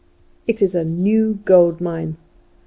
It is a new gold mine.